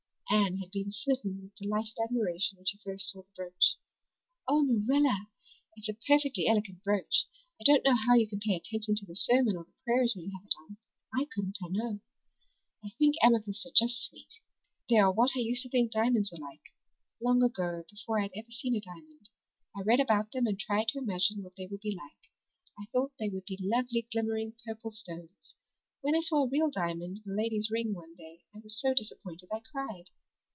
Anne had been smitten with delighted admiration when she first saw that brooch. "Oh, Marilla, it's a perfectly elegant brooch. I don't know how you can pay attention to the sermon or the prayers when you have it on. I couldn't, I know. I think amethysts are just sweet. They are what I used to think diamonds were like. Long ago, before I had ever seen a diamond, I read about them and I tried to imagine what they would be like. I thought they would be lovely glimmering purple stones. When I saw a real diamond in a lady's ring one day I was so disappointed I cried.